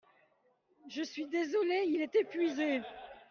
Je suis désolé, il est epuisé.